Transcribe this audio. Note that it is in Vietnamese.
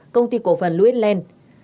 công ty cổ phần louis land